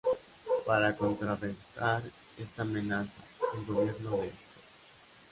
Para contrarrestar esta amenaza, el Gobierno de St.